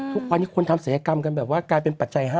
ทุกวันนี้คนทำศัยกรรมกันแบบว่ากลายเป็นปัจจัย๕